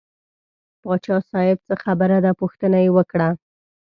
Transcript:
پاچا صاحب څه خبره ده پوښتنه یې وکړه.